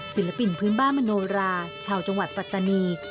ศิลปินพื้นบ้านมโนราชาวจังหวัดปัตตานี